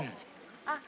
あっ！